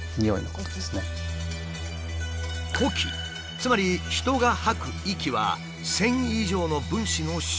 つまり人が吐く息は１，０００以上の分子の集合体。